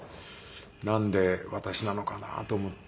なんで私なのかなと思って。